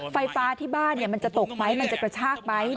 ไฟฟ้าที่บ้านมันจะตกไหมมันจะกระชากไหม